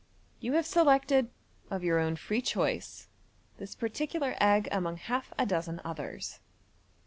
" You have selected, of your own free choice, this particular egg among half a dozen others.